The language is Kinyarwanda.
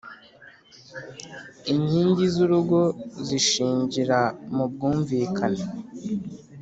inkingi zurugo zishingira mu bwumvikane